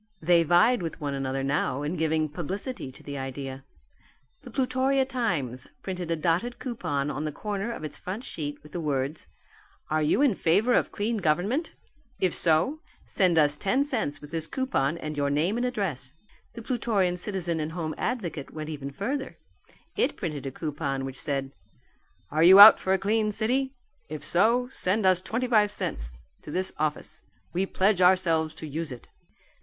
They vied with one another now in giving publicity to the idea. The Plutorian Times printed a dotted coupon on the corner of its front sheet with the words, "Are you in favour of Clean Government? If so, send us ten cents with this coupon and your name and address." The Plutorian Citizen and Home Advocate, went even further. It printed a coupon which said, "Are you out for a clean city? If so send us twenty five cents to this office. We pledge ourselves to use it."